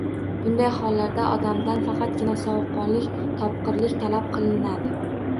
Bunday hollarda odamdan faqatgina sovuqqonlik, topqirlik talab qilinadi.